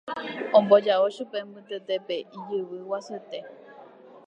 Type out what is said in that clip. Omboja'o chupe mbytetépe ijyvy guasuete.